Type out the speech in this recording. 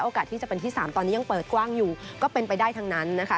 ที่จะเป็นที่๓ตอนนี้ยังเปิดกว้างอยู่ก็เป็นไปได้ทั้งนั้นนะคะ